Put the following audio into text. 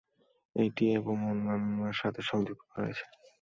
এটি এবং অন্যান্য সাথে যুক্ত করা হয়েছে।